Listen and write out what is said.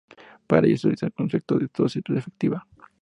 Para ello se utiliza el concepto de dosis efectiva.